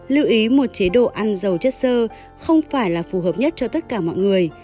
lưu ý một chế độ ăn dầu chất sơ không phải là phù hợp nhất cho tất cả mọi người